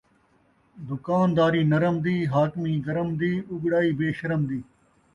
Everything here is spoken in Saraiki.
دکانداری نرم دی ، حاکمی گرم دی ، اُڳڑائی بے شرم دی